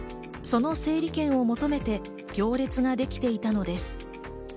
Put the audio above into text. その整理券を求めて行列ができていたのです。